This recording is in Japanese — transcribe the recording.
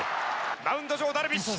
マウンド上ダルビッシュ。